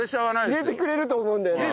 入れてくれると思うんだよね。